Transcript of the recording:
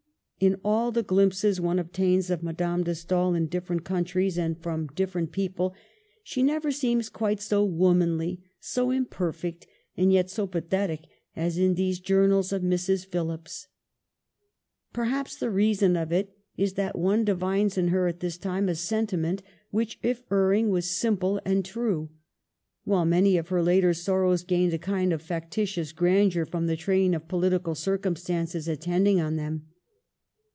In all the glimpses one obtains of Madame de Stael, in different countries and from different Digitized by VjOOQIC 74 MADAME D£ STAEL people, she never seems quite so womanly, so imperfect and yet so pathetic, as in these journals of Mrs. Phillips. Perhaps the reason of it is that one divines in her at this time a sentiment which, if erring, was simple and true, while many of her later sorrows gained a kind of factitious grandeur from the train of political circumstances attend ant on them.